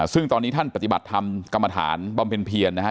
ซึ่งตอนนี้ท่านปฏิบัติธรรมกรรมฐานบำเพ็ญเพียรนะฮะ